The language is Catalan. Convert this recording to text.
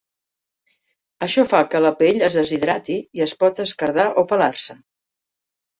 Això fa que la pelli es deshidrati i es pot esquerdar o pelar-se.